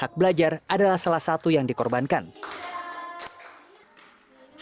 hak belajar adalah salah satu yang diperlukan untuk memperbaiki keadaan